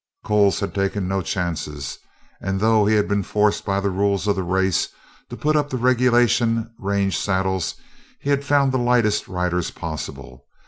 Coles had taken no chances, and though he had been forced by the rules of the race to put up the regulation range saddles he had found the lightest riders possible.